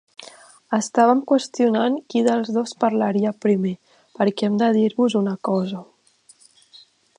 Estàvem qüestionant qui dels dos parlaria primer, perquè hem de dir-vos una cosa.